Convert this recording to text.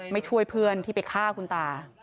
ช่วยเพื่อนที่ไปฆ่าคุณตา